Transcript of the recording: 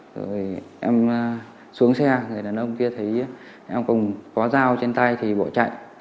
rồi em xuống xe người đàn ông kia thấy em cùng có dao trên tay thì bỏ chạy